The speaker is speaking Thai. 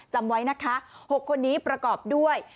จำไว้นะคะ๖คนนี้ประกอบด้วย